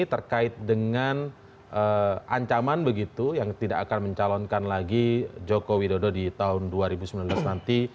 terkait dengan ancaman begitu yang tidak akan mencalonkan lagi joko widodo di tahun dua ribu sembilan belas nanti